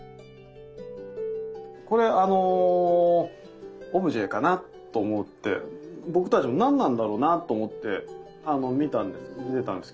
これあのオブジェかなと思って僕たちも何なんだろうなと思って見てたんですけど。